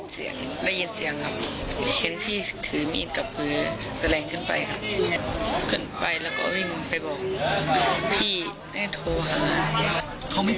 ส่วนใหญ่ทะเลาะกันเรื่องอะไร